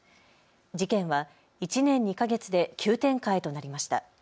事件は１年２か月で急展開となりました。